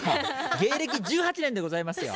芸歴１８年でございますよ。